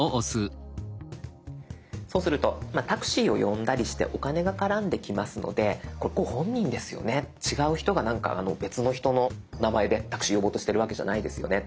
そうするとタクシーを呼んだりしてお金が絡んできますのでこれご本人ですよね違う人が別の人の名前でタクシー呼ぼうとしてるわけじゃないですよね。